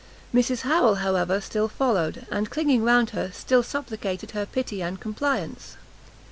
Mrs Harrel, however, still followed, and clinging round her, still supplicated her pity and compliance.